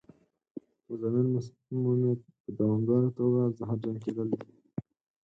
مزمن مسمومیت په دوامداره توګه زهرجن کېدل دي.